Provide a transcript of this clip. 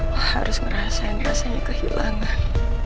wah harus ngerasain rasanya kehilangan